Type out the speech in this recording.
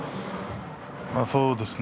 そうですね。